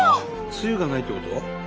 つゆがないってこと？